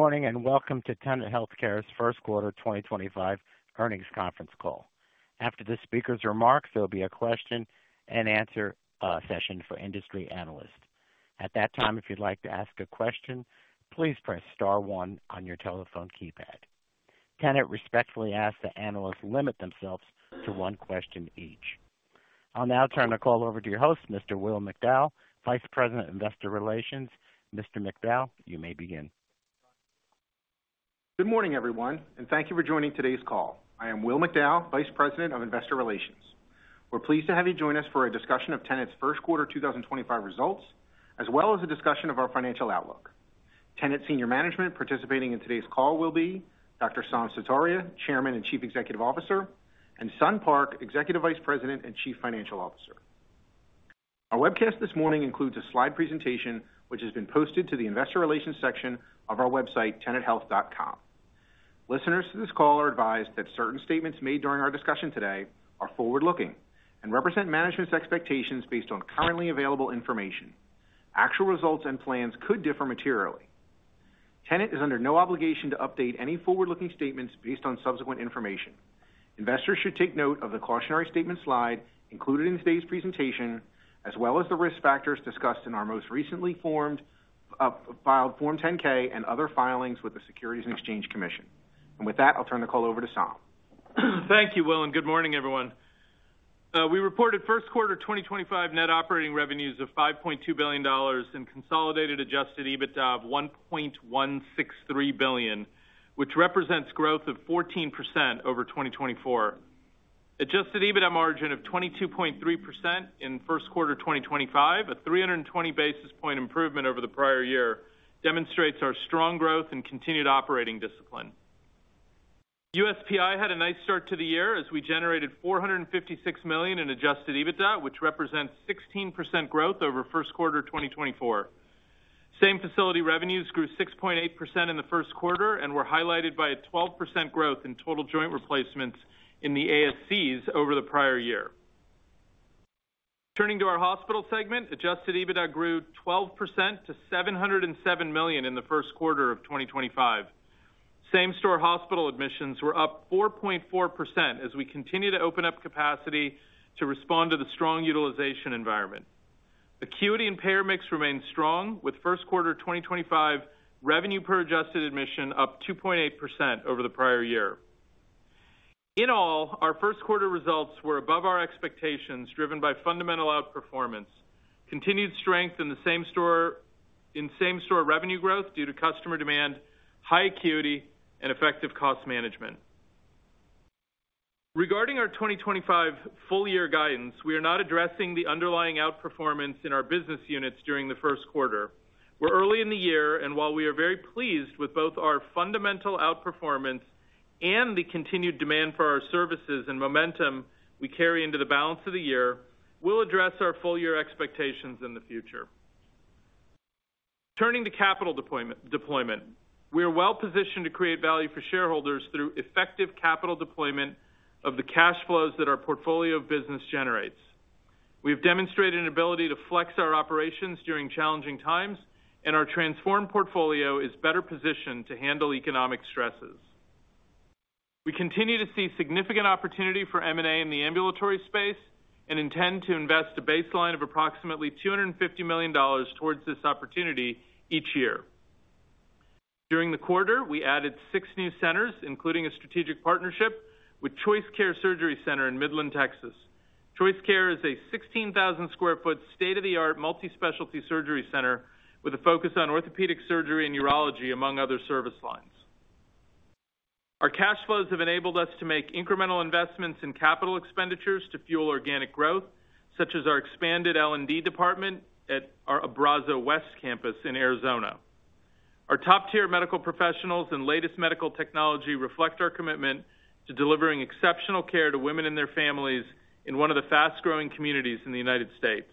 Good morning and welcome to Tenet Healthcare's first quarter 2025 earnings conference call. After this speaker's remarks, there'll be a question and answer session for industry analysts. At that time, if you'd like to ask a question, please press star one on your telephone keypad. Tenet respectfully asks that analysts limit themselves to one question each. I'll now turn the call over to your host, Mr. Will McDowell, Vice President of Investor Relations. Mr. McDowell, you may begin. Good morning, everyone, and thank you for joining today's call. I am Will McDowell, Vice President of Investor Relations. We're pleased to have you join us for a discussion of Tenet's first quarter 2025 results, as well as a discussion of our financial outlook. Tenet Senior Management participating in today's call will be Dr. Saum Sutaria, Chairman and Chief Executive Officer, and Sun Park, Executive Vice President and Chief Financial Officer. Our webcast this morning includes a slide presentation, which has been posted to the Investor Relations section of our website, tenethealth.com. Listeners to this call are advised that certain statements made during our discussion today are forward-looking and represent management's expectations based on currently available information. Actual results and plans could differ materially. Tenet is under no obligation to update any forward-looking statements based on subsequent information. Investors should take note of the cautionary statement slide included in today's presentation, as well as the risk factors discussed in our most recently filed Form 10-K and other filings with the Securities and Exchange Commission. With that, I'll turn the call over to Saum. Thank you, Will, and good morning, everyone. We reported first quarter 2025 net operating revenues of $5.2 billion and consolidated adjusted EBITDA of $1.163 billion, which represents growth of 14% over 2024. Adjusted EBITDA margin of 22.3% in first quarter 2025, a 320 basis point improvement over the prior year, demonstrates our strong growth and continued operating discipline. USPI had a nice start to the year as we generated $456 million in adjusted EBITDA, which represents 16% growth over first quarter 2024. Same facility revenues grew 6.8% in the first quarter and were highlighted by a 12% growth in total joint replacements in the ASCs over the prior year. Turning to our hospital segment, adjusted EBITDA grew 12% to $707 million in the first quarter of 2025. Same-store hospital admissions were up 4.4% as we continue to open up capacity to respond to the strong utilization environment. Acuity and payer mix remained strong, with first quarter 2025 revenue per adjusted admission up 2.8% over the prior year. In all, our first quarter results were above our expectations, driven by fundamental outperformance, continued strength in same-store revenue growth due to customer demand, high acuity, and effective cost management. Regarding our 2025 full-year guidance, we are not addressing the underlying outperformance in our business units during the first quarter. We're early in the year, and while we are very pleased with both our fundamental outperformance and the continued demand for our services and momentum we carry into the balance of the year, we'll address our full-year expectations in the future. Turning to capital deployment, we are well positioned to create value for shareholders through effective capital deployment of the cash flows that our portfolio of business generates. We have demonstrated an ability to flex our operations during challenging times, and our transformed portfolio is better positioned to handle economic stresses. We continue to see significant opportunity for M&A in the ambulatory space and intend to invest a baseline of approximately $250 million towards this opportunity each year. During the quarter, we added six new centers, including a strategic partnership with Choice Care Surgery Center in Midland, Texas. Choice Care is a 16,000 sq ft state-of-the-art multi-specialty surgery center with a focus on orthopedic surgery and urology, among other service lines. Our cash flows have enabled us to make incremental investments in capital expenditures to fuel organic growth, such as our expanded L&D department at our Abrazo West campus in Arizona. Our top-tier medical professionals and latest medical technology reflect our commitment to delivering exceptional care to women and their families in one of the fast-growing communities in the United States.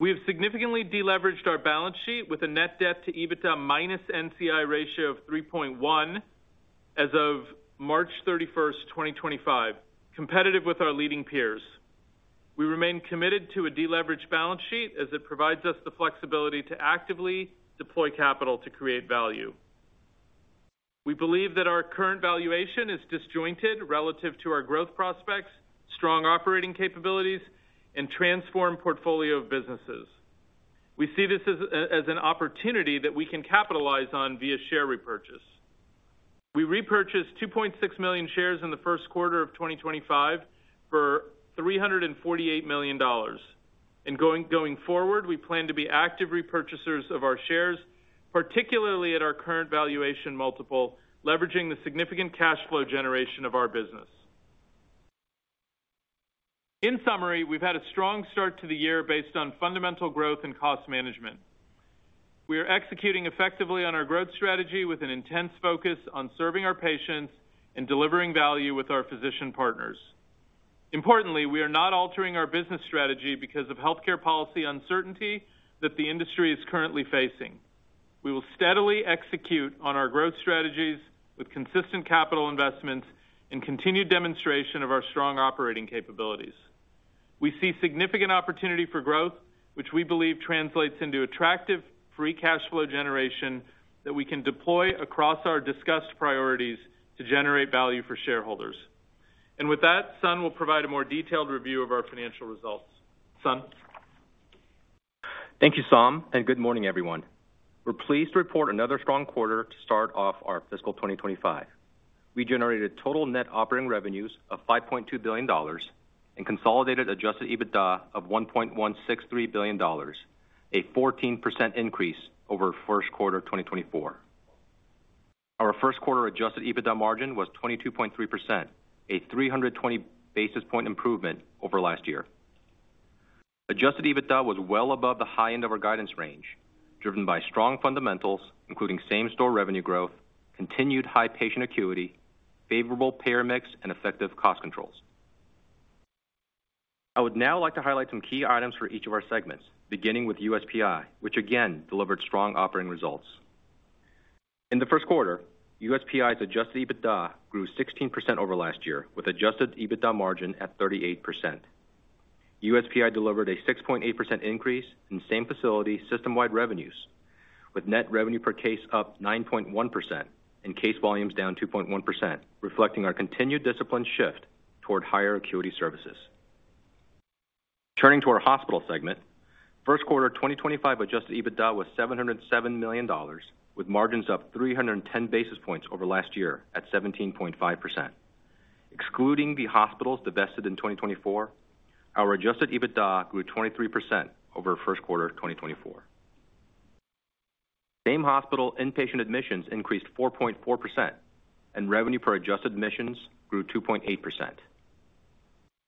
We have significantly deleveraged our balance sheet with a net debt to EBITDA minus NCI ratio of 3.1 as of March 31, 2025, competitive with our leading peers. We remain committed to a deleveraged balance sheet as it provides us the flexibility to actively deploy capital to create value. We believe that our current valuation is disjointed relative to our growth prospects, strong operating capabilities, and transformed portfolio of businesses. We see this as an opportunity that we can capitalize on via share repurchase. We repurchased 2.6 million shares in the first quarter of 2025 for $348 million. Going forward, we plan to be active repurchasers of our shares, particularly at our current valuation multiple, leveraging the significant cash flow generation of our business. In summary, we've had a strong start to the year based on fundamental growth and cost management. We are executing effectively on our growth strategy with an intense focus on serving our patients and delivering value with our physician partners. Importantly, we are not altering our business strategy because of healthcare policy uncertainty that the industry is currently facing. We will steadily execute on our growth strategies with consistent capital investments and continued demonstration of our strong operating capabilities. We see significant opportunity for growth, which we believe translates into attractive free cash flow generation that we can deploy across our discussed priorities to generate value for shareholders. With that, Sun will provide a more detailed review of our financial results. Sun. Thank you, Saum, and good morning, everyone. We're pleased to report another strong quarter to start off our fiscal 2025. We generated total net operating revenues of $5.2 billion and consolidated adjusted EBITDA of $1.163 billion, a 14% increase over first quarter 2024. Our first quarter adjusted EBITDA margin was 22.3%, a 320 basis point improvement over last year. Adjusted EBITDA was well above the high end of our guidance range, driven by strong fundamentals, including same-store revenue growth, continued high patient acuity, favorable payer mix, and effective cost controls. I would now like to highlight some key items for each of our segments, beginning with USPI, which again delivered strong operating results. In the first quarter, USPI's adjusted EBITDA grew 16% over last year, with adjusted EBITDA margin at 38%. USPI delivered a 6.8% increase in same-facility system-wide revenues, with net revenue per case up 9.1% and case volumes down 2.1%, reflecting our continued discipline shift toward higher acuity services. Turning to our hospital segment, first quarter 2025 adjusted EBITDA was $707 million, with margins up 310 basis points over last year at 17.5%. Excluding the hospitals divested in 2024, our adjusted EBITDA grew 23% over first quarter 2024. Same-hospital inpatient admissions increased 4.4%, and revenue per adjusted admissions grew 2.8%.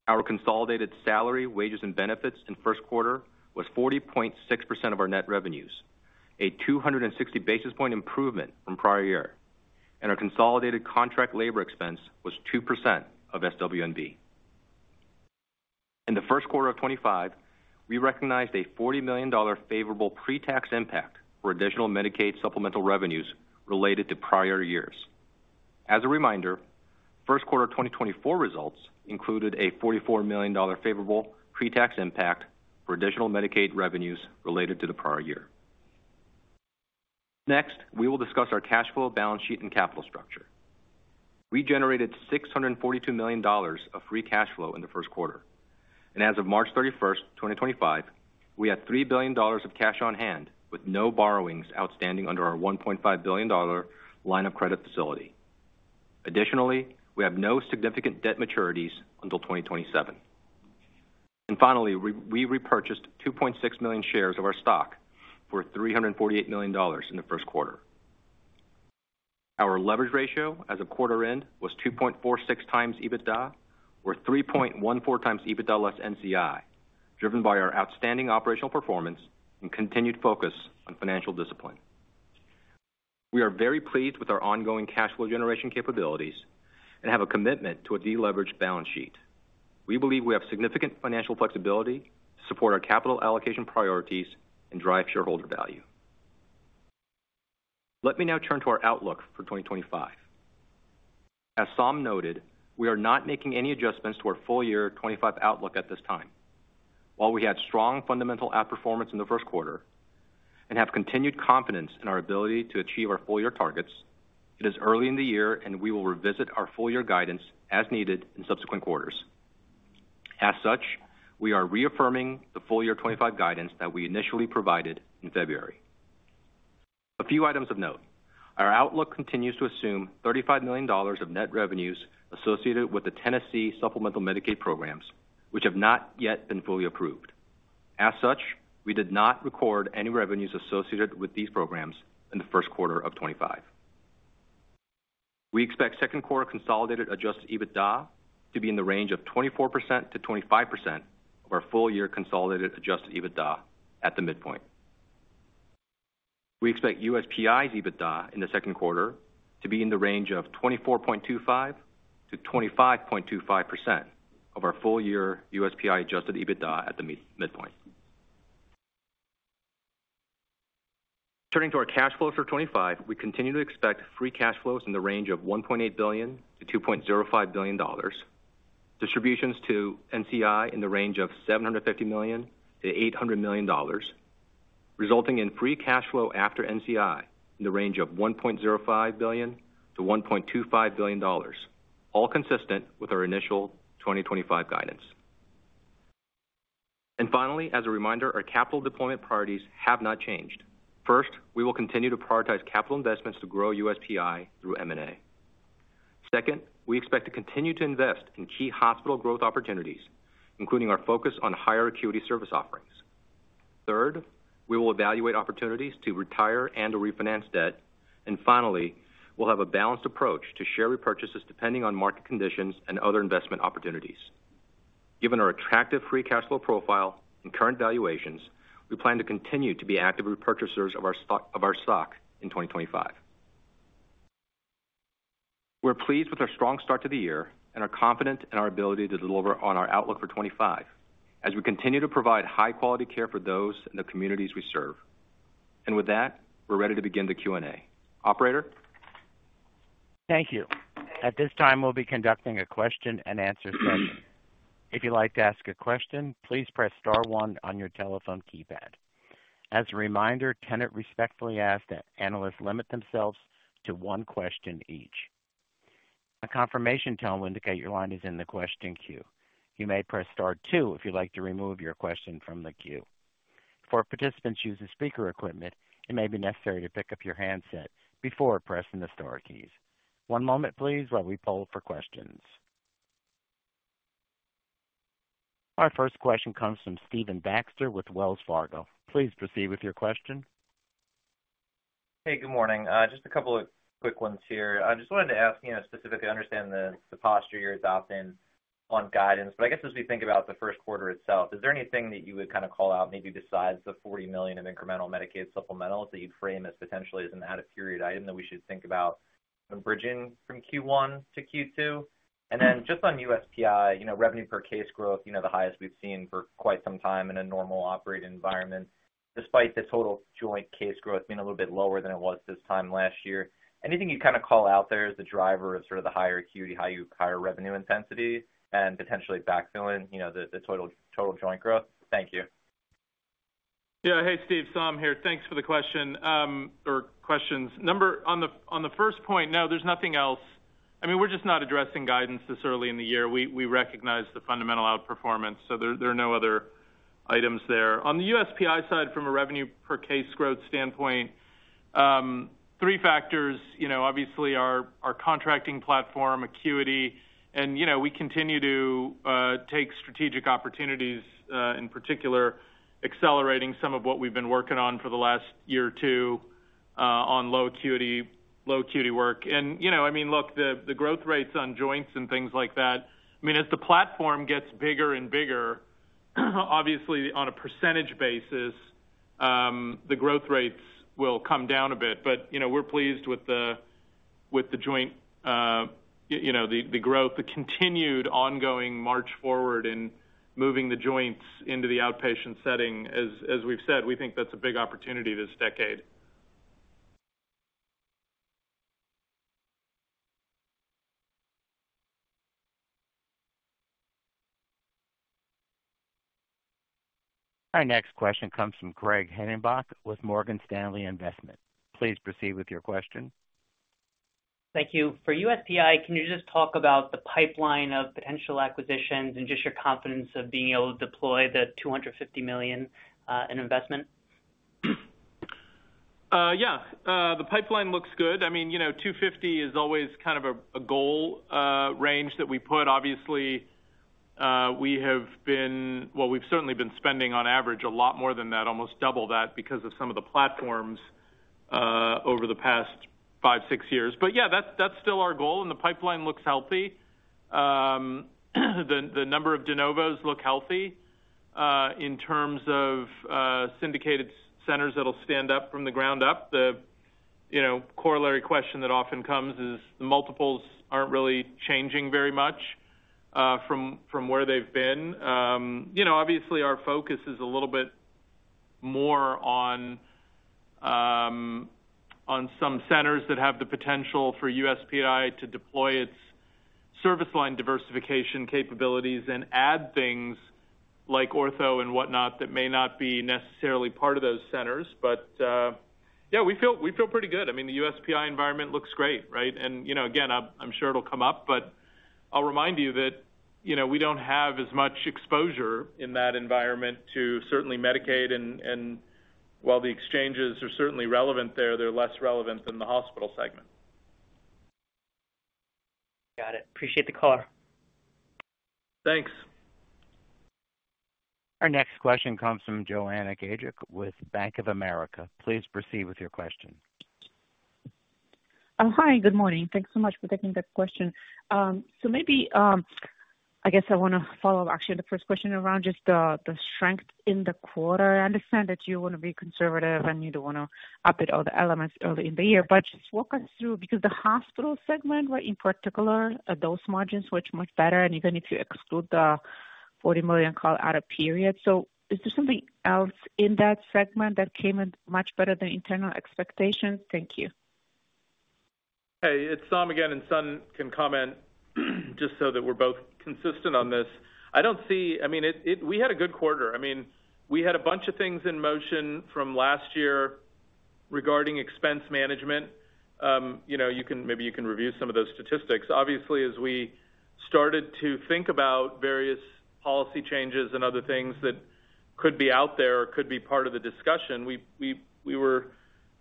Our consolidated salary, wages, and benefits in first quarter was 40.6% of our net revenues, a 260 basis point improvement from prior year, and our consolidated contract labor expense was 2% of SWB. In the first quarter of 2025, we recognized a $40 million favorable pre-tax impact for additional Medicaid supplemental revenues related to prior years. As a reminder, first quarter 2024 results included a $44 million favorable pre-tax impact for additional Medicaid revenues related to the prior year. Next, we will discuss our cash flow, balance sheet, and capital structure. We generated $642 million of free cash flow in the first quarter, and as of March 31, 2024, we had $3 billion of cash on hand with no borrowings outstanding under our $1.5 billion line of credit facility. Additionally, we have no significant debt maturities until 2027. Finally, we repurchased 2.6 million shares of our stock for $348 million in the first quarter. Our leverage ratio as of quarter-end was 2.46 times EBITDA, or 3.14 times EBITDA less NCI, driven by our outstanding operational performance and continued focus on financial discipline. We are very pleased with our ongoing cash flow generation capabilities and have a commitment to a deleveraged balance sheet. We believe we have significant financial flexibility to support our capital allocation priorities and drive shareholder value. Let me now turn to our outlook for 2025. As Saum noted, we are not making any adjustments to our full-year 2025 outlook at this time. While we had strong fundamental outperformance in the first quarter and have continued confidence in our ability to achieve our full-year targets, it is early in the year and we will revisit our full-year guidance as needed in subsequent quarters. As such, we are reaffirming the full-year 2025 guidance that we initially provided in February. A few items of note. Our outlook continues to assume $35 million of net revenues associated with the Tennessee supplemental Medicaid programs, which have not yet been fully approved. As such, we did not record any revenues associated with these programs in the first quarter of 2025. We expect second quarter consolidated adjusted EBITDA to be in the range of 24%-25% of our full-year consolidated adjusted EBITDA at the midpoint. We expect USPI's EBITDA in the second quarter to be in the range of 24.25%-25.25% of our full-year USPI adjusted EBITDA at the midpoint. Turning to our cash flows for 2025, we continue to expect free cash flows in the range of $1.8 billion-$2.05 billion, distributions to NCI in the range of $750 million-$800 million, resulting in free cash flow after NCI in the range of $1.05 billion-$1.25 billion, all consistent with our initial 2025 guidance. Finally, as a reminder, our capital deployment priorities have not changed. First, we will continue to prioritize capital investments to grow USPI through M&A. Second, we expect to continue to invest in key hospital growth opportunities, including our focus on higher acuity service offerings. Third, we will evaluate opportunities to retire and/or refinance debt. Finally, we'll have a balanced approach to share repurchases depending on market conditions and other investment opportunities. Given our attractive free cash flow profile and current valuations, we plan to continue to be active repurchasers of our stock in 2025. We're pleased with our strong start to the year and are confident in our ability to deliver on our outlook for 2025 as we continue to provide high-quality care for those in the communities we serve. With that, we're ready to begin the Q&A. Operator? Thank you. At this time, we'll be conducting a question-and-answer session. If you'd like to ask a question, please press star one on your telephone keypad. As a reminder, Tenet respectfully asks that analysts limit themselves to one question each. A confirmation tone will indicate your line is in the question queue. You may press star two if you'd like to remove your question from the queue. For participants using speaker equipment, it may be necessary to pick up your handset before pressing the star keys. One moment, please, while we poll for questions. Our first question comes from Stephen Baxter with Wells Fargo. Please proceed with your question. Hey, good morning. Just a couple of quick ones here. I just wanted to ask, specifically understand the posture you're adopting on guidance. As we think about the first quarter itself, is there anything that you would kind of call out maybe besides the $40 million of incremental Medicaid supplementals that you'd frame as potentially as an out-of-period item that we should think about when bridging from Q1 to Q2? Just on USPI, revenue per case growth, the highest we've seen for quite some time in a normal operating environment, despite the total joint case growth being a little bit lower than it was this time last year. Anything you'd kind of call out there as the driver of sort of the higher acuity, higher revenue intensity, and potentially backfilling the total joint growth? Thank you. Yeah. Hey, Steve, Saum here. Thanks for the question or questions. Number on the first point, no, there's nothing else. I mean, we're just not addressing guidance this early in the year. We recognize the fundamental outperformance, so there are no other items there. On the USPI side, from a revenue per case growth standpoint, three factors, obviously, are our contracting platform, acuity, and we continue to take strategic opportunities, in particular, accelerating some of what we've been working on for the last year or two on low acuity work. I mean, look, the growth rates on joints and things like that, I mean, as the platform gets bigger and bigger, obviously, on a percentage basis, the growth rates will come down a bit. We're pleased with the joint, the growth, the continued ongoing March forward in moving the joints into the outpatient setting. As we've said, we think that's a big opportunity this decade. Our next question comes from Greg Hettenbach with Morgan Stanley. Please proceed with your question. Thank you. For USPI, can you just talk about the pipeline of potential acquisitions and just your confidence of being able to deploy the $250 million in investment? Yeah. The pipeline looks good. I mean, $250 is always kind of a goal range that we put. Obviously, we have been spending on average a lot more than that, almost double that, because of some of the platforms over the past five, six years. Yeah, that's still our goal, and the pipeline looks healthy. The number of de novos looks healthy in terms of syndicated centers that'll stand up from the ground up. The corollary question that often comes is the multiples aren't really changing very much from where they've been. Obviously, our focus is a little bit more on some centers that have the potential for USPI to deploy its service line diversification capabilities and add things like ortho and whatnot that may not be necessarily part of those centers. Yeah, we feel pretty good. I mean, the USPI environment looks great, right? I'm sure it'll come up, but I'll remind you that we don't have as much exposure in that environment to certainly Medicaid. While the exchanges are certainly relevant there, they're less relevant than the hospital segment. Got it. Appreciate the call. Thanks. Our next question comes from Joanna Gajuk with Bank of America. Please proceed with your question. Hi, good morning. Thanks so much for taking the question. I guess I want to follow up, actually, on the first question around just the strength in the quarter. I understand that you want to be conservative and you do not want to up it all the elements early in the year. Just walk us through, because the hospital segment, right, in particular, those margins were much better, and even if you exclude the $40 million out of period. Is there something else in that segment that came in much better than internal expectations? Thank you. Hey, it's Saum again, and Sun can comment just so that we're both consistent on this. I don't see—I mean, we had a good quarter. I mean, we had a bunch of things in motion from last year regarding expense management. Maybe you can review some of those statistics. Obviously, as we started to think about various policy changes and other things that could be out there or could be part of the discussion, we were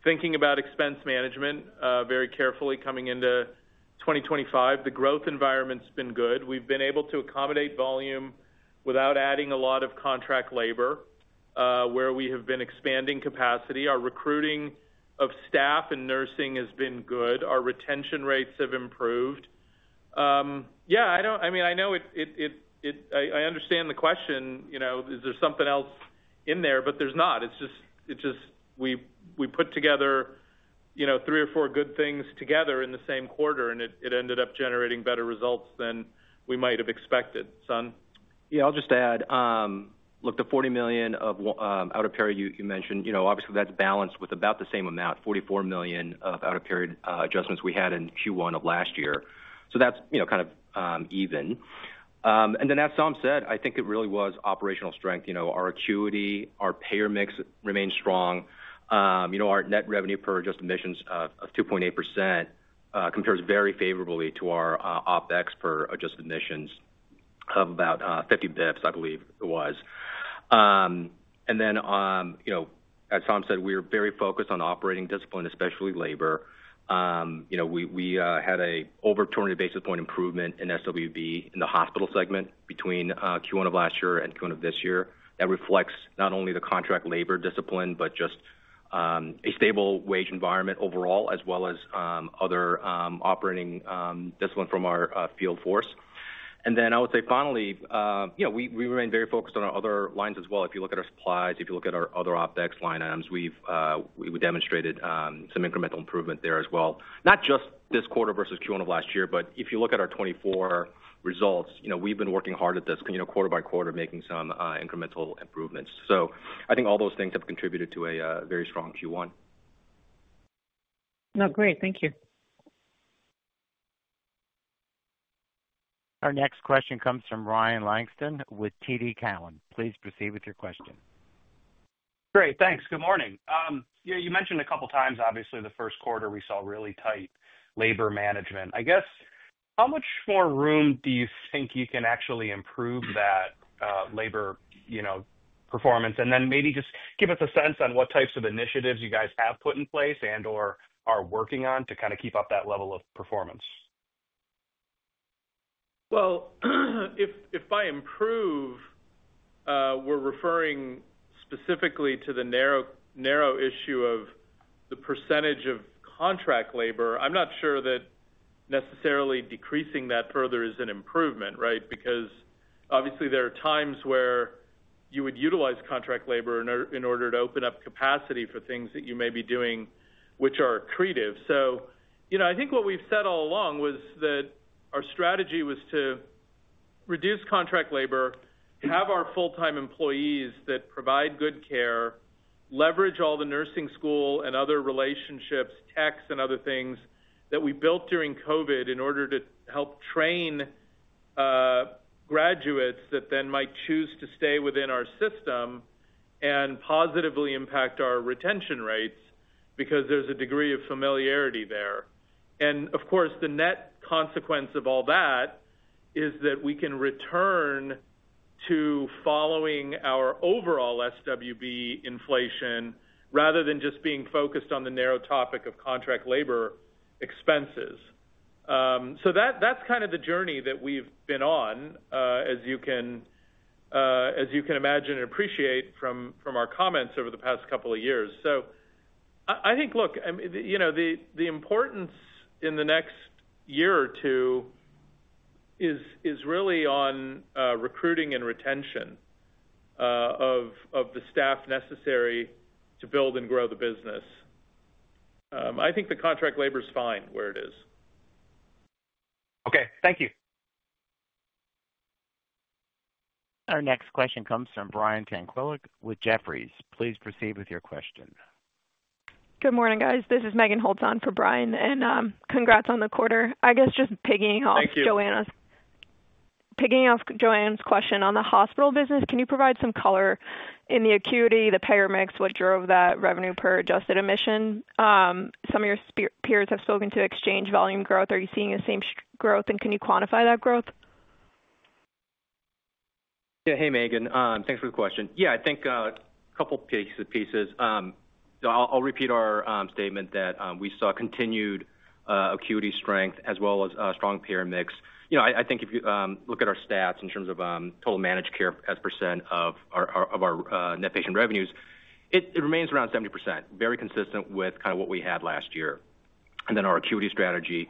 thinking about expense management very carefully coming into 2025. The growth environment's been good. We've been able to accommodate volume without adding a lot of contract labor, where we have been expanding capacity. Our recruiting of staff and nursing has been good. Our retention rates have improved. Yeah, I mean, I know it—I understand the question. Is there something else in there? There's not. It's just we put together three or four good things together in the same quarter, and it ended up generating better results than we might have expected. Sun? Yeah, I'll just add, look, the $40 million out of period you mentioned, obviously, that's balanced with about the same amount, $44 million of out-of-period adjustments we had in Q1 of last year. That's kind of even. As Saum said, I think it really was operational strength. Our acuity, our payer mix remained strong. Our net revenue per adjusted admissions of 2.8% compares very favorably to our OpEx per adjusted admissions of about 50 basis points, I believe it was. As Saum said, we were very focused on operating discipline, especially labor. We had an over 200 basis point improvement in SWB in the hospital segment between Q1 of last year and Q1 of this year. That reflects not only the contract labor discipline, but just a stable wage environment overall, as well as other operating discipline from our field force. I would say, finally, we remained very focused on our other lines as well. If you look at our supplies, if you look at our other OpEx line items, we demonstrated some incremental improvement there as well. Not just this quarter versus Q1 of last year, but if you look at our 2024 results, we've been working hard at this quarter by quarter, making some incremental improvements. I think all those things have contributed to a very strong Q1. No, great. Thank you. Our next question comes from Ryan Langston with TD Cowen. Please proceed with your question. Great. Thanks. Good morning. You mentioned a couple of times, obviously, the first quarter we saw really tight labor management. I guess, how much more room do you think you can actually improve that labor performance? And then maybe just give us a sense on what types of initiatives you guys have put in place and/or are working on to kind of keep up that level of performance. If I improve, we're referring specifically to the narrow issue of the percentage of contract labor. I'm not sure that necessarily decreasing that further is an improvement, right? Because obviously, there are times where you would utilize contract labor in order to open up capacity for things that you may be doing which are accretive. I think what we've said all along was that our strategy was to reduce contract labor, have our full-time employees that provide good care, leverage all the nursing school and other relationships, techs, and other things that we built during COVID in order to help train graduates that then might choose to stay within our system and positively impact our retention rates because there's a degree of familiarity there. Of course, the net consequence of all that is that we can return to following our overall SWB inflation rather than just being focused on the narrow topic of contract labor expenses. That's kind of the journey that we've been on, as you can imagine and appreciate from our comments over the past couple of years. I think, look, the importance in the next year or two is really on recruiting and retention of the staff necessary to build and grow the business. I think the contract labor's fine where it is. Okay. Thank you. Our next question comes from Brian Tanquilut with Jefferies. Please proceed with your question. Good morning, guys. This is Megan Holton for Brian. Congrats on the quarter. I guess just piggying off. Thank you. Joanna's. Piggying off Joanna's question on the hospital business, can you provide some color in the acuity, the payer mix, what drove that revenue per adjusted admission? Some of your peers have spoken to exchange volume growth. Are you seeing the same growth, and can you quantify that growth? Yeah. Hey, Megan. Thanks for the question. Yeah, I think a couple of pieces. I'll repeat our statement that we saw continued acuity strength as well as a strong payer mix. I think if you look at our stats in terms of total managed care as percent of our net patient revenues, it remains around 70%, very consistent with kind of what we had last year. Our acuity strategy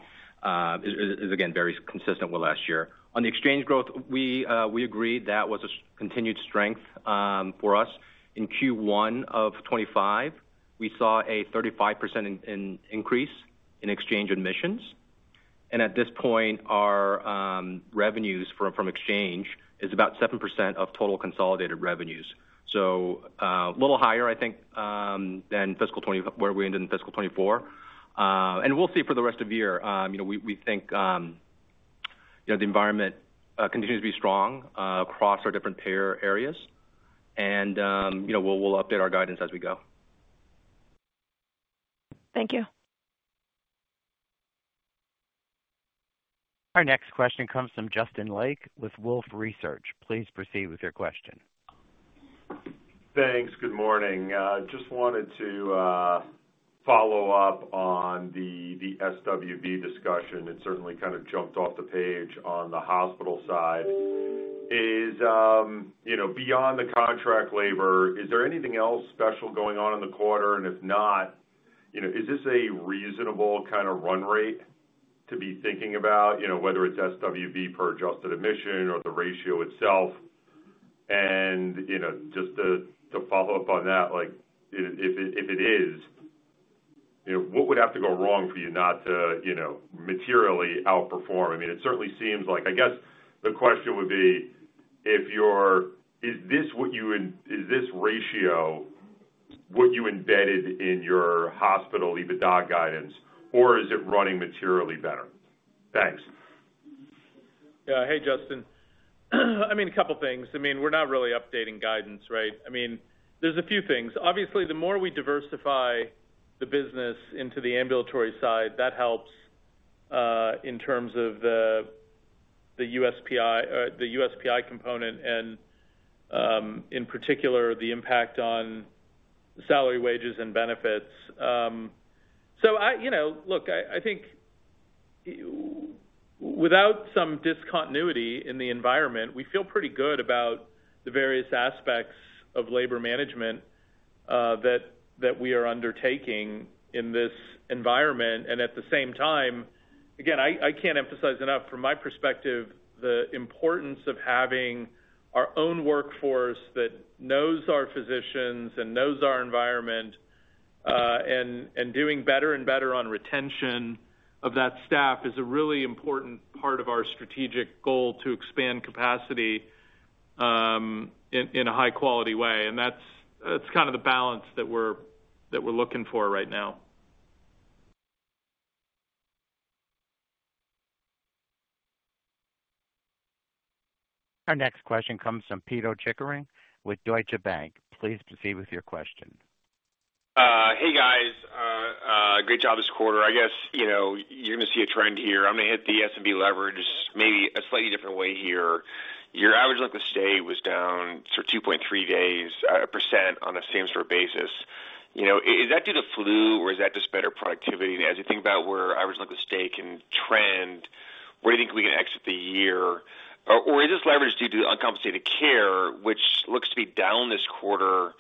is, again, very consistent with last year. On the exchange growth, we agreed that was a continued strength for us. In Q1 of 2025, we saw a 35% increase in exchange admissions. At this point, our revenues from exchange is about 7% of total consolidated revenues. A little higher, I think, than fiscal 2025, where we ended in fiscal 2024. We'll see for the rest of the year. We think the environment continues to be strong across our different payer areas, and we'll update our guidance as we go. Thank you. Our next question comes from Justin Lake with Wolfe Research. Please proceed with your question. Thanks. Good morning. Just wanted to follow up on the SWB discussion. It certainly kind of jumped off the page on the hospital side. Beyond the contract labor, is there anything else special going on in the quarter? If not, is this a reasonable kind of run rate to be thinking about, whether it's SWB per adjusted admission or the ratio itself? Just to follow up on that, if it is, what would have to go wrong for you not to materially outperform? I mean, it certainly seems like I guess the question would be, is this ratio what you embedded in your hospital EBITDA guidance, or is it running materially better? Thanks. Yeah. Hey, Justin. I mean, a couple of things. I mean, we're not really updating guidance, right? I mean, there's a few things. Obviously, the more we diversify the business into the ambulatory side, that helps in terms of the USPI component and, in particular, the impact on salary wages and benefits. Look, I think without some discontinuity in the environment, we feel pretty good about the various aspects of labor management that we are undertaking in this environment. At the same time, again, I can't emphasize enough, from my perspective, the importance of having our own workforce that knows our physicians and knows our environment and doing better and better on retention of that staff is a really important part of our strategic goal to expand capacity in a high-quality way. That's kind of the balance that we're looking for right now. Our next question comes from Pito Chickering with Deutsche Bank. Please proceed with your question. Hey, guys. Great job this quarter. I guess you're going to see a trend here. I'm going to hit the S&B leverage maybe a slightly different way here. Your average length of stay was down for 2.3 days, a percent on a same sort of basis. Is that due to flu, or is that just better productivity? As you think about where average length of stay can trend, where do you think we can exit the year? Is this leverage due to uncompensated care, which looks to be down this quarter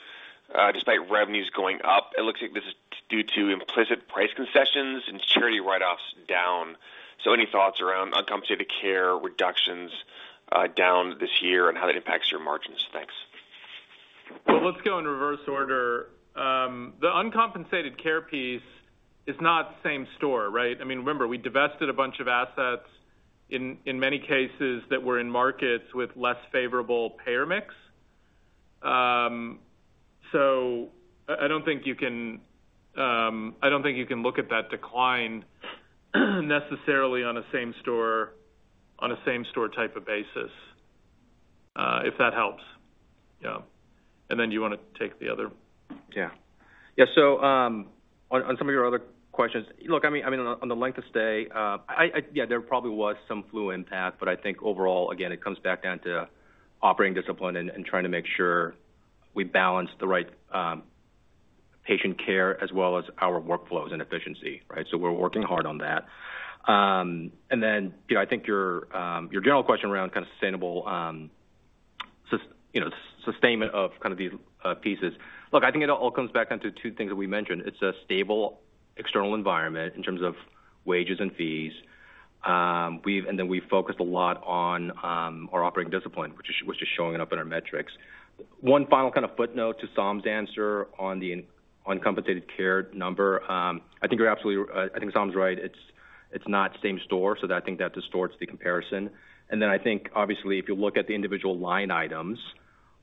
despite revenues going up? It looks like this is due to implicit price concessions and charity write-offs down. Any thoughts around uncompensated care reductions down this year and how that impacts your margins? Thanks. Let's go in reverse order. The uncompensated care piece is not the same store, right? I mean, remember, we divested a bunch of assets in many cases that were in markets with less favorable payer mix. I don't think you can look at that decline necessarily on a same-store type of basis, if that helps. Yeah. And then you want to take the other. Yeah. Yeah. On some of your other questions, look, I mean, on the length of stay, yeah, there probably was some flu impact, but I think overall, again, it comes back down to operating discipline and trying to make sure we balance the right patient care as well as our workflows and efficiency, right? We are working hard on that. I think your general question around kind of sustainable sustainment of kind of these pieces, look, I think it all comes back down to two things that we mentioned. It is a stable external environment in terms of wages and fees. We focused a lot on our operating discipline, which is showing up in our metrics. One final kind of footnote to Saum's answer on the uncompensated care number, I think you are absolutely right. I think Saum is right. It's not the same store, so I think that distorts the comparison. I think, obviously, if you look at the individual line items,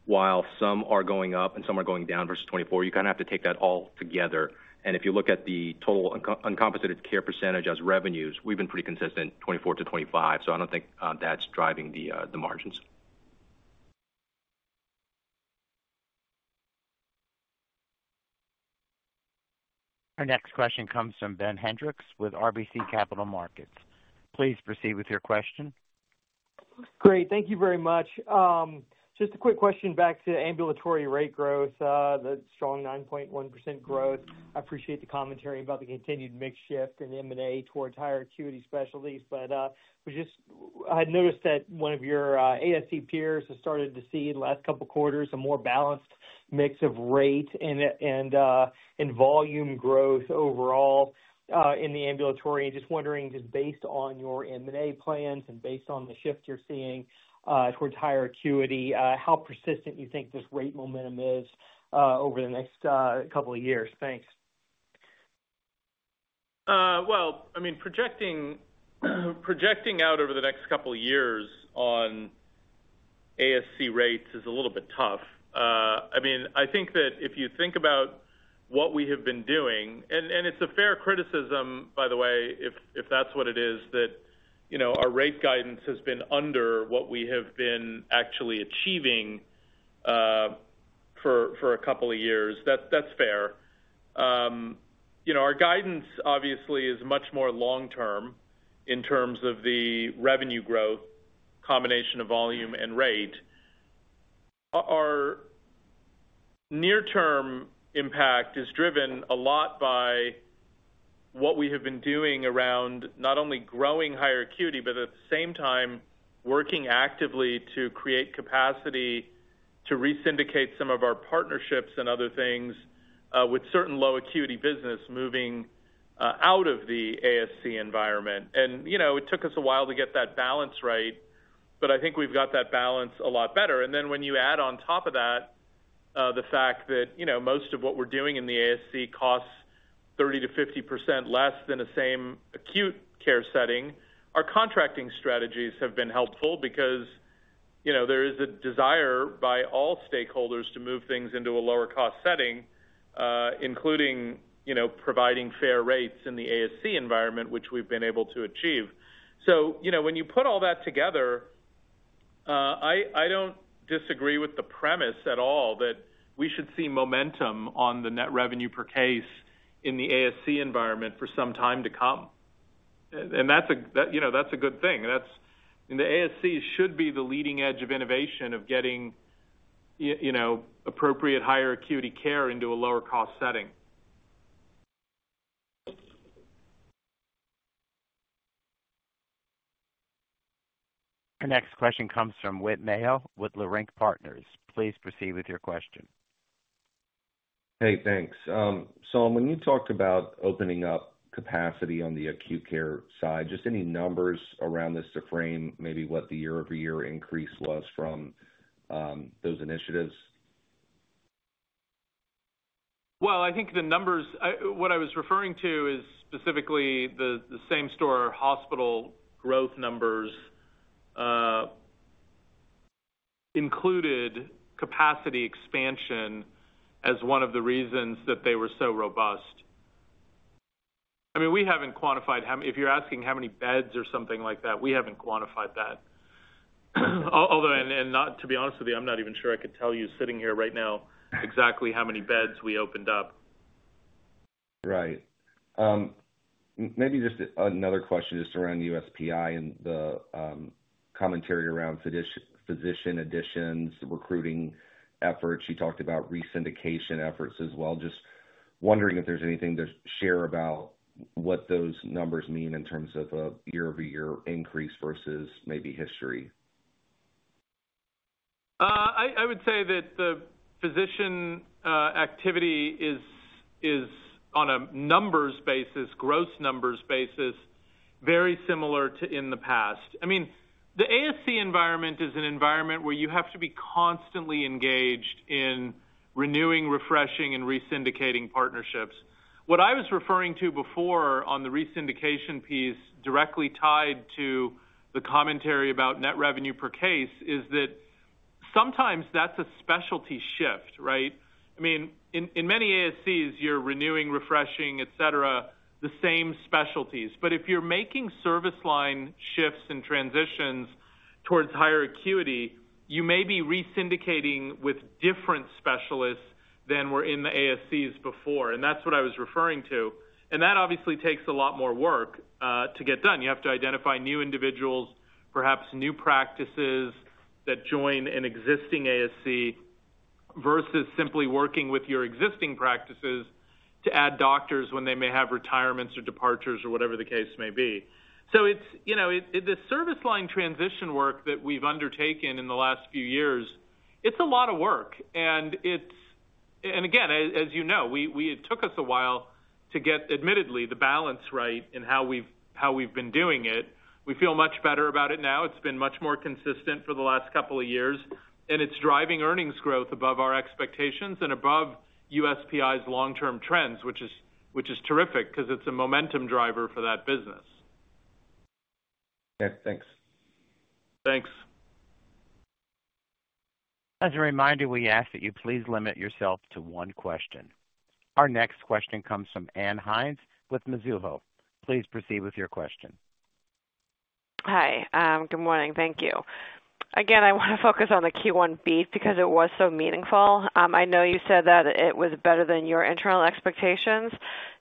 while some are going up and some are going down versus 2024, you kind of have to take that all together. If you look at the total uncompensated care percentage as revenues, we've been pretty consistent 2024 to 2025. I don't think that's driving the margins. Our next question comes from Ben Hendrix with RBC Capital Markets. Please proceed with your question. Great. Thank you very much. Just a quick question back to ambulatory rate growth, the strong 9.1% growth. I appreciate the commentary about the continued mix shift in M&A towards higher acuity specialties. I had noticed that one of your ASC peers has started to see in the last couple of quarters a more balanced mix of rate and volume growth overall in the ambulatory. Just wondering, just based on your M&A plans and based on the shift you're seeing towards higher acuity, how persistent you think this rate momentum is over the next couple of years? Thanks. I mean, projecting out over the next couple of years on ASC rates is a little bit tough. I mean, I think that if you think about what we have been doing, and it's a fair criticism, by the way, if that's what it is, that our rate guidance has been under what we have been actually achieving for a couple of years, that's fair. Our guidance, obviously, is much more long-term in terms of the revenue growth, combination of volume and rate. Our near-term impact is driven a lot by what we have been doing around not only growing higher acuity, but at the same time working actively to create capacity to re-syndicate some of our partnerships and other things with certain low-acuity business moving out of the ASC environment. It took us a while to get that balance right, but I think we've got that balance a lot better. When you add on top of that the fact that most of what we're doing in the ASC costs 30-50% less than a same acute care setting, our contracting strategies have been helpful because there is a desire by all stakeholders to move things into a lower-cost setting, including providing fair rates in the ASC environment, which we've been able to achieve. When you put all that together, I don't disagree with the premise at all that we should see momentum on the net revenue per case in the ASC environment for some time to come. That's a good thing. The ASC should be the leading edge of innovation of getting appropriate higher acuity care into a lower-cost setting. Our next question comes from Ben Hendricks with RBC .Please proceed with your question. Hey, thanks. Saum, when you talked about opening up capacity on the acute care side, just any numbers around this to frame maybe what the year-over-year increase was from those initiatives? I think the numbers what I was referring to is specifically the same-store hospital growth numbers included capacity expansion as one of the reasons that they were so robust. I mean, we haven't quantified if you're asking how many beds or something like that, we haven't quantified that. And to be honest with you, I'm not even sure I could tell you sitting here right now exactly how many beds we opened up. Right. Maybe just another question just around USPI and the commentary around physician additions, recruiting efforts. You talked about re-syndication efforts as well. Just wondering if there's anything to share about what those numbers mean in terms of a year-over-year increase versus maybe history. I would say that the physician activity is, on a numbers basis, gross numbers basis, very similar to in the past. I mean, the ASC environment is an environment where you have to be constantly engaged in renewing, refreshing, and re-syndicating partnerships. What I was referring to before on the re-syndication piece, directly tied to the commentary about net revenue per case, is that sometimes that's a specialty shift, right? I mean, in many ASCs, you're renewing, refreshing, etc., the same specialties. If you're making service line shifts and transitions towards higher acuity, you may be re-syndicating with different specialists than were in the ASCs before. That is what I was referring to. That obviously takes a lot more work to get done. You have to identify new individuals, perhaps new practices that join an existing ASC versus simply working with your existing practices to add doctors when they may have retirements or departures or whatever the case may be. The service line transition work that we've undertaken in the last few years, it's a lot of work. Again, as you know, it took us a while to get, admittedly, the balance right in how we've been doing it. We feel much better about it now. It's been much more consistent for the last couple of years. It's driving earnings growth above our expectations and above USPI's long-term trends, which is terrific because it's a momentum driver for that business. Okay. Thanks. Thanks. As a reminder, we ask that you please limit yourself to one question. Our next question comes from Ann Hynes with Mizuho. Please proceed with your question. Hi. Good morning. Thank you. Again, I want to focus on the Q1 beat because it was so meaningful. I know you said that it was better than your internal expectations.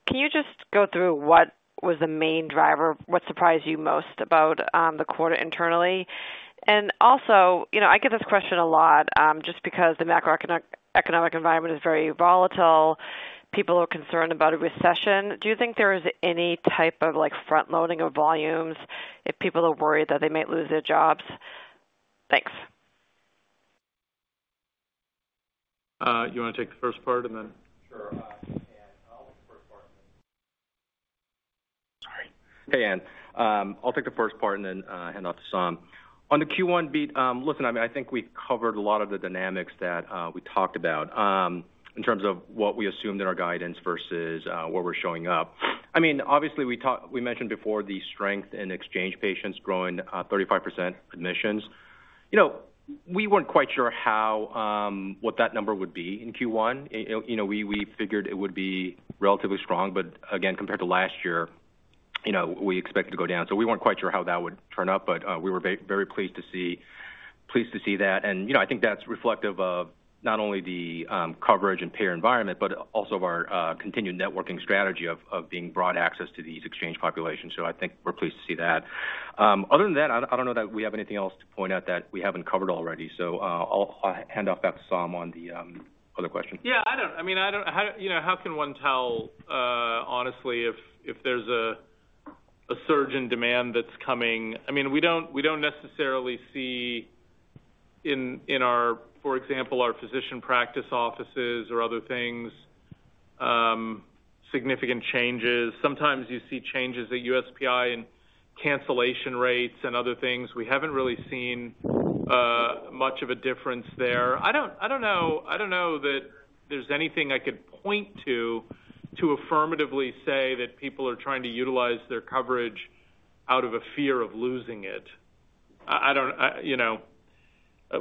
Can you just go through what was the main driver, what surprised you most about the quarter internally? Also, I get this question a lot just because the macroeconomic environment is very volatile. People are concerned about a recession. Do you think there is any type of front-loading of volumes if people are worried that they might lose their jobs? Thanks. You want to take the first part and then? Sure. Hey, Anne. I'll take the first part. Sorry. Hey, Anne. I'll take the first part and then hand it off to Saum. On the Q1 beat, listen, I mean, I think we've covered a lot of the dynamics that we talked about in terms of what we assumed in our guidance versus what we're showing up. I mean, obviously, we mentioned before the strength in exchange patients growing 35% admissions. We weren't quite sure what that number would be in Q1. We figured it would be relatively strong, but again, compared to last year, we expected to go down. We weren't quite sure how that would turn up, but we were very pleased to see that. I think that's reflective of not only the coverage and payer environment, but also of our continued networking strategy of being broad access to these exchange populations. I think we're pleased to see that. Other than that, I don't know that we have anything else to point out that we haven't covered already. I'll hand it off back to Saum on the other questions. Yeah. I mean, how can one tell, honestly, if there's a surge in demand that's coming? I mean, we don't necessarily see in our, for example, our physician practice offices or other things, significant changes. Sometimes you see changes at USPI in cancellation rates and other things. We haven't really seen much of a difference there. I don't know that there's anything I could point to to affirmatively say that people are trying to utilize their coverage out of a fear of losing it.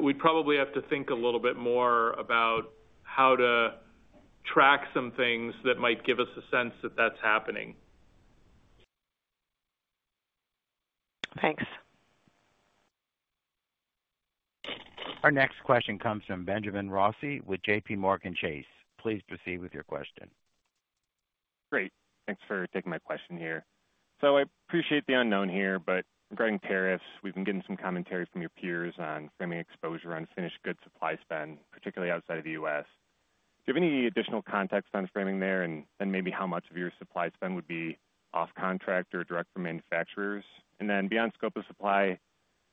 We'd probably have to think a little bit more about how to track some things that might give us a sense that that's happening. Thanks. Our next question comes from Benjamin Rossi with JPMorgan Chase. Please proceed with your question. Great. Thanks for taking my question here. I appreciate the unknown here, but regarding tariffs, we've been getting some commentary from your peers on framing exposure on finished goods supply spend, particularly outside of the U.S. Do you have any additional context on framing there and maybe how much of your supply spend would be off-contract or direct from manufacturers? Beyond scope of supply, are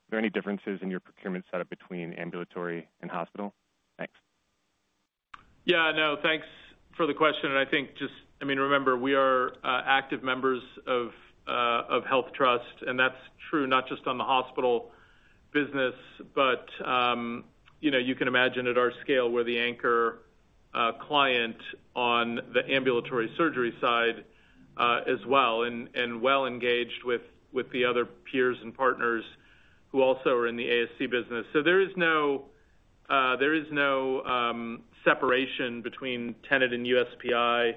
there any differences in your procurement setup between ambulatory and hospital? Thanks. Yeah. No, thanks for the question. I think just, I mean, remember, we are active members of HealthTrust, and that's true not just on the hospital business, but you can imagine at our scale we're the anchor client on the ambulatory surgery side as well and well engaged with the other peers and partners who also are in the ASC business. There is no separation between Tenet and USPI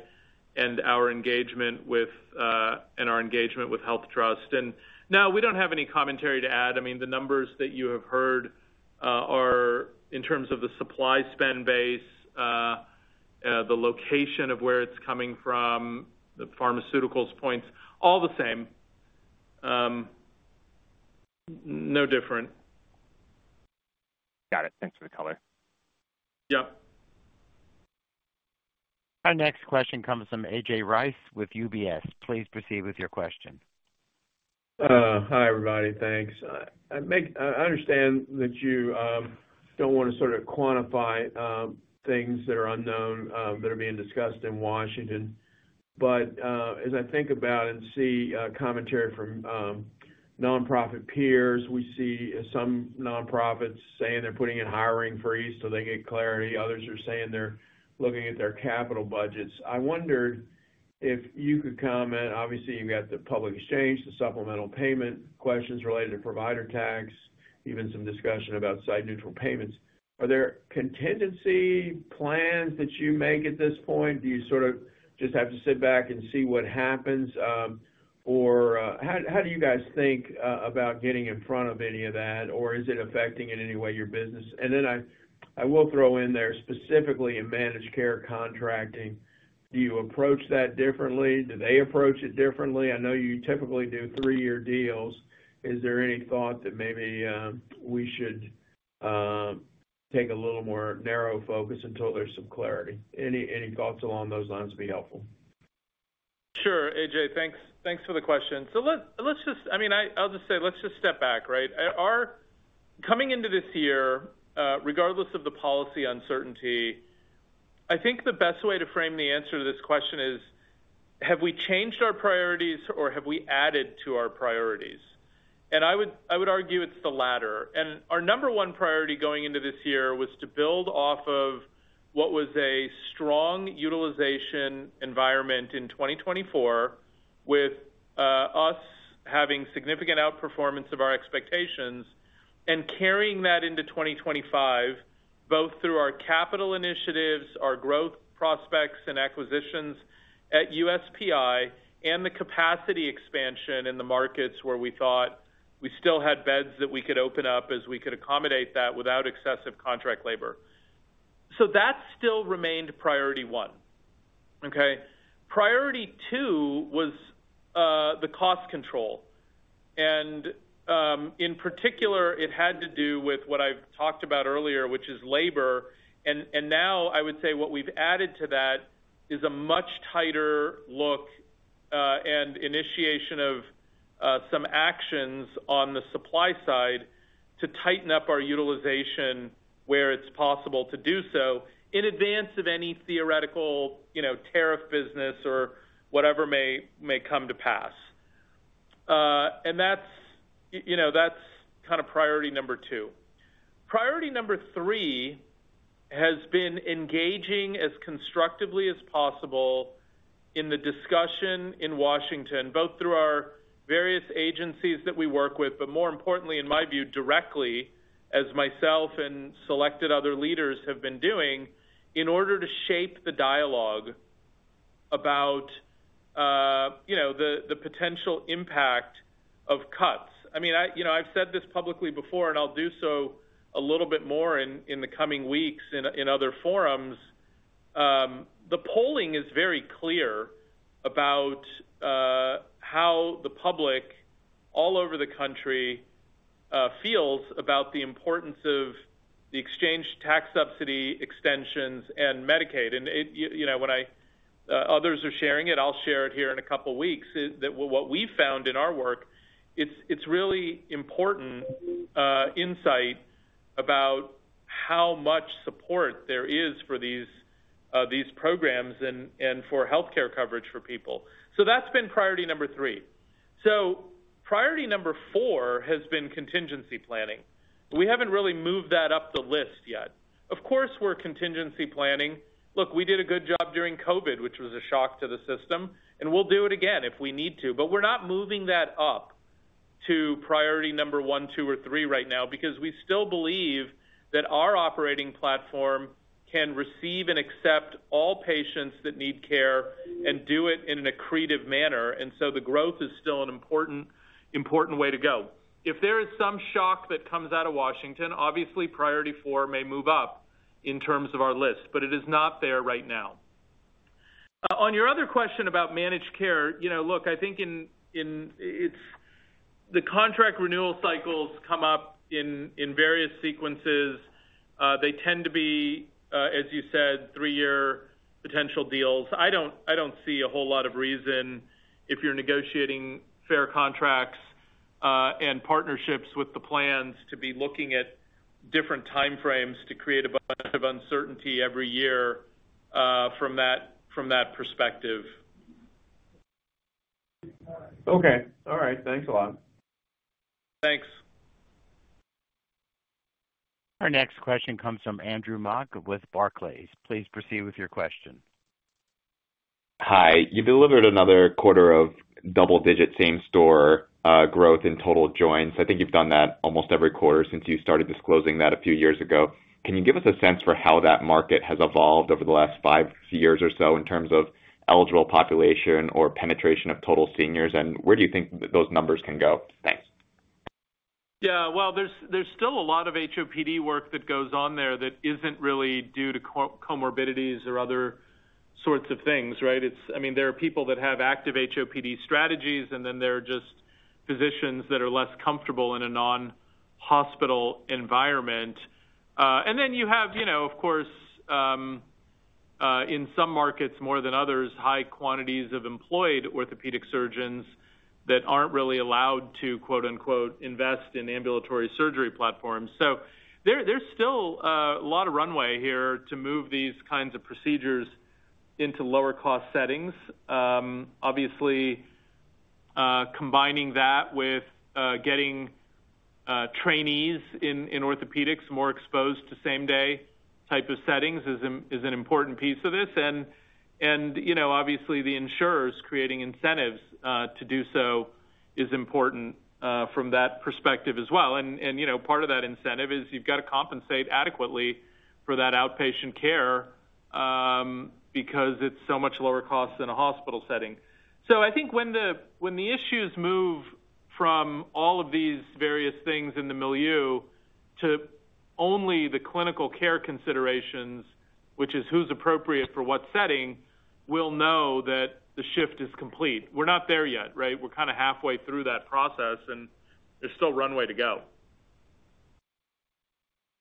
and our engagement with HealthTrust. No, we don't have any commentary to add. I mean, the numbers that you have heard are in terms of the supply spend base, the location of where it's coming from, the pharmaceuticals points, all the same. No different. Got it. Thanks for the color. Yep. Our next question comes from AJ Rice with UBS. Please proceed with your question. Hi, everybody. Thanks. I understand that you don't want to sort of quantify things that are unknown that are being discussed in Washington. As I think about and see commentary from nonprofit peers, we see some nonprofits saying they're putting in hiring freezes so they get clarity. Others are saying they're looking at their capital budgets. I wondered if you could comment. Obviously, you've got the public exchange, the supplemental payment questions related to provider tax, even some discussion about site-neutral payments. Are there contingency plans that you make at this point? Do you sort of just have to sit back and see what happens? How do you guys think about getting in front of any of that? Is it affecting in any way your business? I will throw in there specifically in managed care contracting. Do you approach that differently? Do they approach it differently? I know you typically do three-year deals. Is there any thought that maybe we should take a little more narrow focus until there's some clarity? Any thoughts along those lines would be helpful. Sure. AJ, thanks for the question. Let's just, I mean, I'll just say, let's just step back, right? Coming into this year, regardless of the policy uncertainty, I think the best way to frame the answer to this question is, have we changed our priorities or have we added to our priorities? I would argue it's the latter. Our number one priority going into this year was to build off of what was a strong utilization environment in 2024 with us having significant outperformance of our expectations and carrying that into 2025, both through our capital initiatives, our growth prospects, and acquisitions at USPI and the capacity expansion in the markets where we thought we still had beds that we could open up as we could accommodate that without excessive contract labor. That still remained priority one. Priority two was the cost control. In particular, it had to do with what I've talked about earlier, which is labor. Now, I would say what we've added to that is a much tighter look and initiation of some actions on the supply side to tighten up our utilization where it's possible to do so in advance of any theoretical tariff business or whatever may come to pass. That's kind of priority number two. Priority number three has been engaging as constructively as possible in the discussion in Washington, both through our various agencies that we work with, but more importantly, in my view, directly, as myself and selected other leaders have been doing in order to shape the dialogue about the potential impact of cuts. I mean, I've said this publicly before, and I'll do so a little bit more in the coming weeks in other forums. The polling is very clear about how the public all over the country feels about the importance of the exchange tax subsidy extensions and Medicaid. When others are sharing it, I'll share it here in a couple of weeks, that what we've found in our work, it's really important insight about how much support there is for these programs and for healthcare coverage for people. That's been priority number three. Priority number four has been contingency planning. We haven't really moved that up the list yet. Of course, we're contingency planning. Look, we did a good job during COVID, which was a shock to the system. We'll do it again if we need to. We're not moving that up to priority number one, two, or three right now because we still believe that our operating platform can receive and accept all patients that need care and do it in an accretive manner. The growth is still an important way to go. If there is some shock that comes out of Washington, obviously, priority four may move up in terms of our list, but it is not there right now. On your other question about managed care, look, I think the contract renewal cycles come up in various sequences. They tend to be, as you said, three-year potential deals. I do not see a whole lot of reason if you're negotiating fair contracts and partnerships with the plans to be looking at different time frames to create a bunch of uncertainty every year from that perspective. Okay. All right. Thanks a lot. Thanks. Our next question comes from Andrew Mok with Barclays. Please proceed with your question. Hi. You delivered another quarter of double-digit same-store growth in total joints. I think you've done that almost every quarter since you started disclosing that a few years ago. Can you give us a sense for how that market has evolved over the last five years or so in terms of eligible population or penetration of total seniors? Where do you think those numbers can go? Thanks. Yeah. There is still a lot of HOPD work that goes on there that is not really due to comorbidities or other sorts of things, right? I mean, there are people that have active HOPD strategies, and then there are just physicians that are less comfortable in a non-hospital environment. You have, of course, in some markets more than others, high quantities of employed orthopedic surgeons that are not really allowed to "invest" in ambulatory surgery platforms. There is still a lot of runway here to move these kinds of procedures into lower-cost settings. Obviously, combining that with getting trainees in orthopedics more exposed to same-day type of settings is an important piece of this. Obviously, the insurers creating incentives to do so is important from that perspective as well. Part of that incentive is you've got to compensate adequately for that outpatient care because it's so much lower cost than a hospital setting. I think when the issues move from all of these various things in the milieu to only the clinical care considerations, which is who's appropriate for what setting, we'll know that the shift is complete. We're not there yet, right? We're kind of halfway through that process, and there's still runway to go.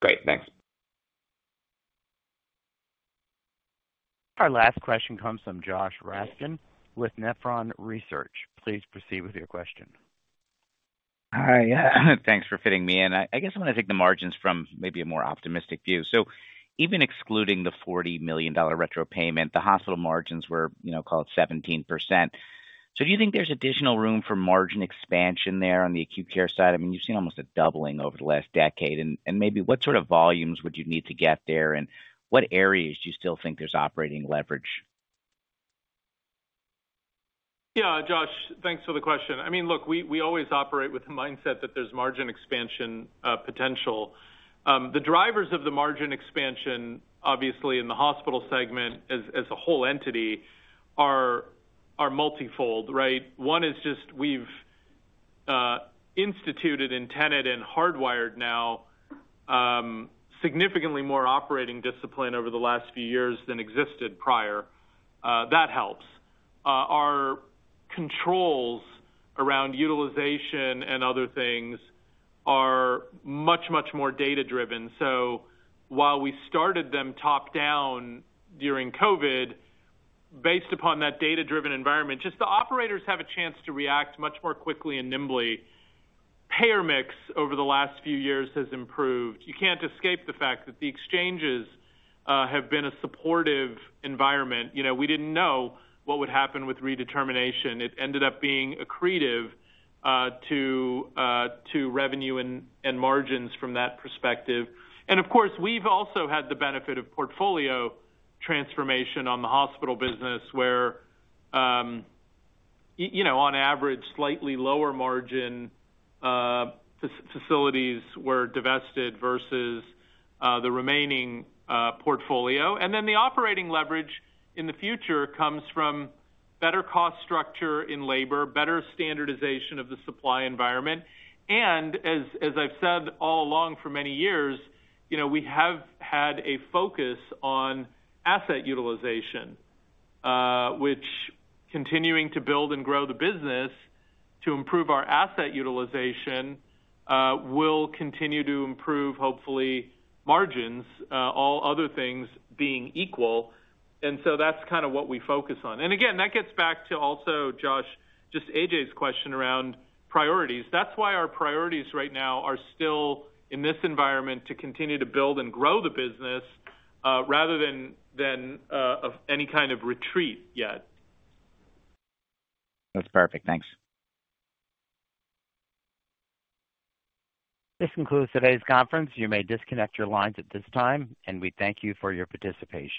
Great. Thanks. Our last question comes from Josh Raskin with Nephron Research. Please proceed with your question. Hi. Thanks for fitting me in. I guess I'm going to take the margins from maybe a more optimistic view. Even excluding the $40 million retro payment, the hospital margins were called 17%. Do you think there's additional room for margin expansion there on the acute care side? I mean, you've seen almost a doubling over the last decade. Maybe what sort of volumes would you need to get there, and what areas do you still think there's operating leverage? Yeah. Josh, thanks for the question. I mean, look, we always operate with the mindset that there's margin expansion potential. The drivers of the margin expansion, obviously, in the hospital segment as a whole entity are multifold, right? One is just we've instituted and Tenet and hardwired now significantly more operating discipline over the last few years than existed prior. That helps. Our controls around utilization and other things are much, much more data-driven. While we started them top-down during COVID, based upon that data-driven environment, just the operators have a chance to react much more quickly and nimbly. Payer mix over the last few years has improved. You can't escape the fact that the exchanges have been a supportive environment. We didn't know what would happen with redetermination. It ended up being accretive to revenue and margins from that perspective. Of course, we've also had the benefit of portfolio transformation on the hospital business, where on average, slightly lower margin facilities were divested versus the remaining portfolio. The operating leverage in the future comes from better cost structure in labor, better standardization of the supply environment. As I've said all along for many years, we have had a focus on asset utilization, which continuing to build and grow the business to improve our asset utilization will continue to improve, hopefully, margins, all other things being equal. That's kind of what we focus on. Again, that gets back to also, Josh, just AJ's question around priorities. That's why our priorities right now are still in this environment to continue to build and grow the business rather than any kind of retreat yet. That's perfect. Thanks. This concludes today's conference. You may disconnect your lines at this time, and we thank you for your participation.